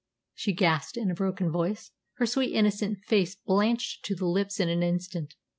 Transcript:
she gasped in a broken voice, her sweet, innocent face blanched to the lips in an instant.